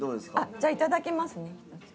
じゃあいただきますね。